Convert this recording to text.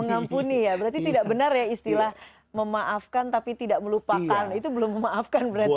mengampuni ya berarti tidak benar ya istilah memaafkan tapi tidak melupakan itu belum memaafkan berarti